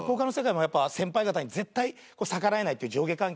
先輩方に絶対逆らえないっていう。